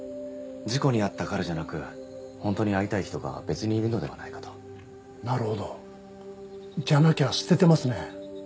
事故に遭った彼じゃなく本当に会いたい人が別にいるのではないかとなるほどじゃなきゃ捨ててますね